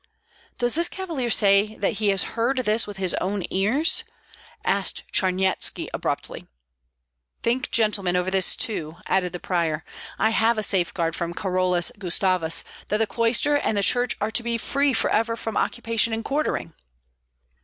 "Does this cavalier say that he has heard this with his own ears?" asked Charnyetski, abruptly. "Think, gentlemen, over this too," added the prior, "I have a safeguard from Carolus Gustavus that the cloister and the church are to be free forever from occupation and quartering."